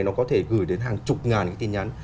nó có thể gửi đến hàng chục ngàn cái tin nhắn